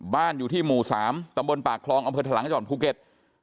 บ้านอยู่ที่หมู่๓ตำบลปากคลองอำเภอถลังจังหวัดภูเก็ต